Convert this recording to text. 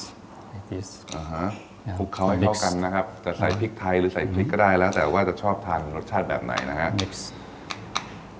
พริกเขาให้เข้ากันนะครับจะใส่พริกไทยหรือใส่พริกก็ได้แล้วแต่ว่าจะชอบทานรสชาติแบบไหนนะครับ